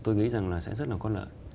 tôi nghĩ rằng là sẽ rất là có lợi